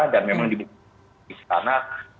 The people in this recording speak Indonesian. dan memang di buka di sana